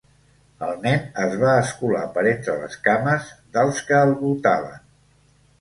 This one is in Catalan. El nen es va escolar per entre les cames dels que el voltaven.